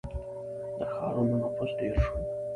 • د ښارونو نفوس ډېر شو.